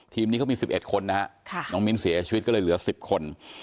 ทีมนี้เขามี๑๑คนนะฮะน้องมิ้นเสียชีวิตก็เลยเหลือ๑๐คน